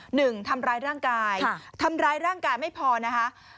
หนึ่งทำร้ายร่างกายทำร้ายร่างกายไม่พอนะคะ